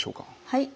はい。